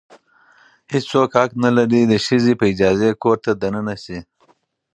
هیڅ څوک حق نه لري د ښځې په اجازې کور ته دننه شي.